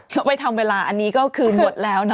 ก็ไปทำเวลาอันนี้ก็คือหมดแล้วนะ